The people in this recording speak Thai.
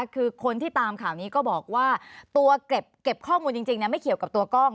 คือคนที่ตามข่าวนี้ก็บอกว่าตัวเก็บข้อมูลจริงไม่เกี่ยวกับตัวกล้อง